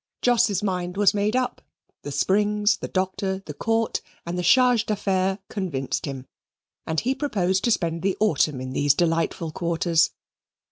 Jos's mind was made up; the springs, the Doctor, the Court, and the Charge d'Affaires convinced him, and he proposed to spend the autumn in these delightful quarters.